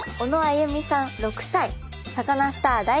「『サカナ★スター』大好き」。